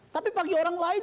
tapi bagi orang lain